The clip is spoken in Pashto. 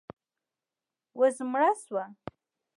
وزمړه سوه.